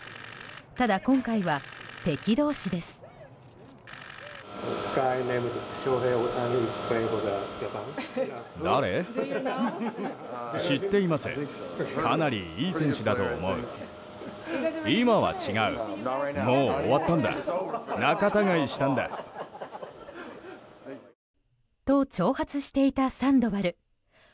ただ今回は敵同士です。と、挑発していたサンドバル。